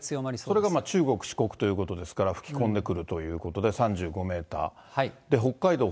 これが中国、四国ということですから、吹き込んでくるということで、３５メーター。